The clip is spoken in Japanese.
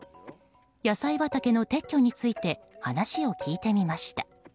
野菜畑の撤去について話を聞いてみました。